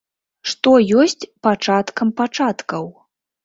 Што ёсць пачаткам пачаткаў?